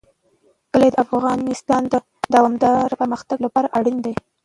کلي د افغانستان د دوامداره پرمختګ لپاره اړین دي.